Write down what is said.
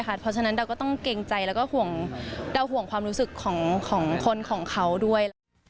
เพราะฉะนั้นเราก็ต้องเกรงใจแล้วก็เราห่วงความรู้สึกของคนของเขาด้วย